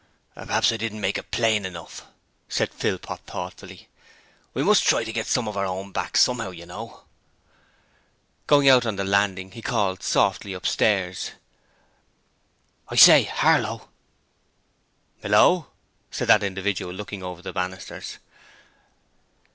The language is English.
'P'raps I didn't make it plain enough,' said Philpot, thoughtfully. 'We must try to get some of our own back somehow, you know.' Going out on the landing he called softly upstairs. 'I say, Harlow.' 'Hallo,' said that individual, looking over the banisters.